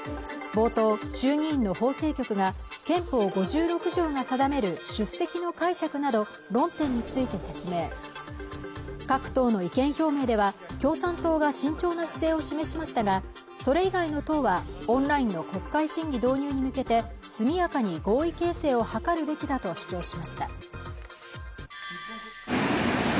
冒頭衆議院の法制局が憲法５６条が定める出席の解釈など論点について説明各党の意見表明では共産党が慎重な姿勢を示しましたがそれ以外の党はオンラインの国会審議導入に向けて速やかに合意形成を図るべきだと主張しました